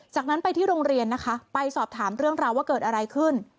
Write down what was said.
จากนั้นไปที่โรงเรียนนะคะไปสอบถามเรื่องราวว่าเกิดอะไรขึ้น